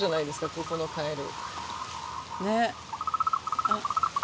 ここのカエル。